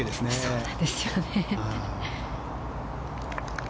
そうなんですよね。